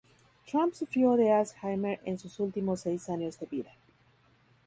Trump sufrió de Alzheimer en sus últimos seis años de vida.